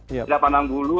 tidak pandang dulu